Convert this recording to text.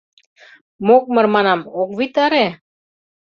— Мокмыр, манам, ок витаре?